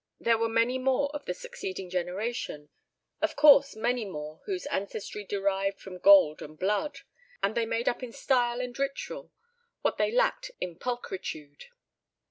There were many more of the succeeding generation, of course, many more whose ancestry derived from gold not blood, and they made up in style and ritual what they lacked in pulchritude.